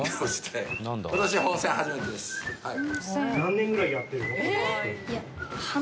何年ぐらいやってるの？